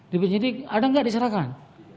di penyidik ada nggak diserahkan